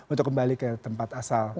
untuk kembali ke tempat asal